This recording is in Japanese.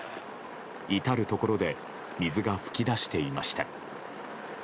至るところで水が噴き出していました。